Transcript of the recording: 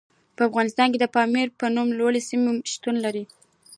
په افغانستان کې د پامیر په نوم لوړې سیمې شتون لري.